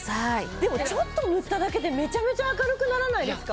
でもちょっと塗っただけでめちゃめちゃ明るくならないですか？